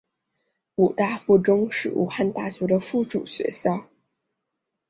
武大附中是武汉大学的附属学校。